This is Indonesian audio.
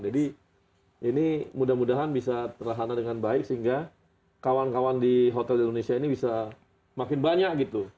jadi ini mudah mudahan bisa terlana dengan baik sehingga kawan kawan di hotel di indonesia ini bisa makin banyak gitu